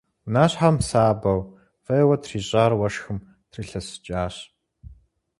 Унащхьэм сабэу, фӀейуэ трищӀар уэшхым трилъэсыкӀащ.